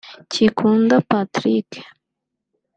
Kikunda Patrick